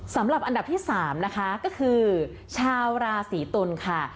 สำหรับอันดับที่๓นะคะก็คือชาวราศีตุลค่ะ